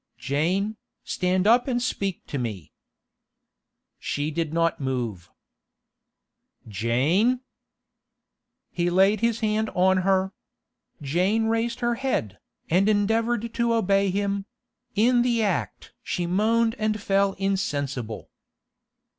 'Jane, stand up and speak to me!' She did not move. 'Jane!' He laid his hand on her. Jane raised her head, and endeavoured to obey him; in the act she moaned and fell insensible.